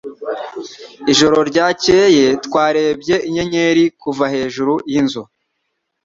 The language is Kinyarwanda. Ijoro ryakeye twarebye inyenyeri kuva hejuru yinzu